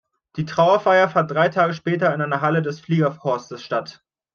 Die Trauerfeier fand drei Tage später in einer Halle des Fliegerhorstes statt.